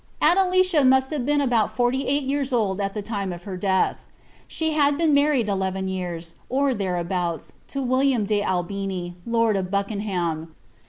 * Adelicia must have been about forty eight years old at the time of h(r death. She had been married eleven years, or thereabouts, to Willitia de Albini, Lord of Buckenham.